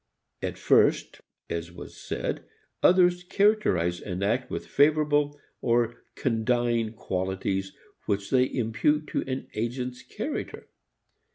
At first, as was said, others characterize an act with favorable or condign qualities which they impute to an agent's character.